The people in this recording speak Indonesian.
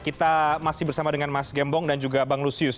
kita masih bersama dengan mas gembong dan juga bang lusius